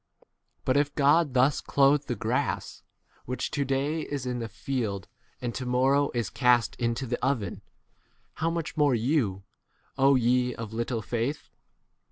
But if God thus clothe the grass, which to day is in the field and to mor row is cast into [the] oven, how much more you, ye of little 29 faith